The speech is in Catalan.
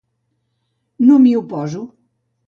No m'hi oposo.